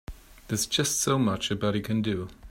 There's just so much a body can do.